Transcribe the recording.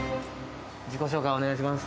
自己紹介をお願いします。